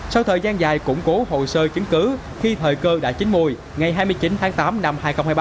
sau thời gian dài củng cố hồ sơ chứng cứ khi thời cơ đã chín mùi ngày hai mươi chín tháng tám năm hai nghìn hai mươi ba